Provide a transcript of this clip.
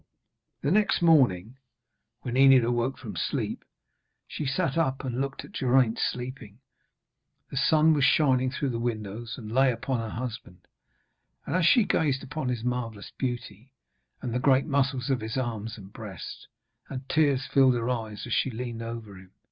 The next morning, when Enid awoke from sleep, she sat up and looked at Geraint sleeping. The sun was shining through the windows, and lay upon her husband. And she gazed upon his marvellous beauty, and the great muscles of his arms and breast, and tears filled her eyes as she leaned over him.